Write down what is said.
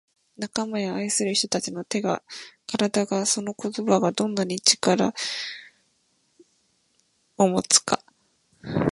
「仲間や愛する人達の手が体がその言葉がどんなに強い力を持つか」